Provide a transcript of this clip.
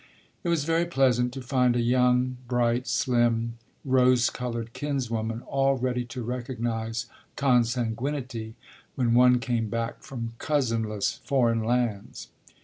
It was very pleasant to find a young, bright, slim, rose coloured kinswoman all ready to recognise consanguinity when one came back from cousinless foreign lands.